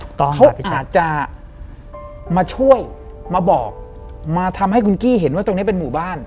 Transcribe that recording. เขาอาจจะมาช่วยมาบอกมาทำให้คุณกี้เห็นว่าตรงนี้เป็นหมู่บ้าน